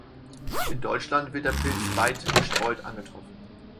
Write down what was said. In Deutschland wird der Pilz weit gestreut angetroffen.